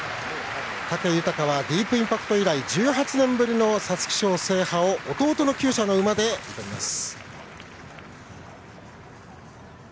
武豊はディープインパクト以来１８年ぶりの皐月賞制覇を弟のきゅう舎の馬で狙います。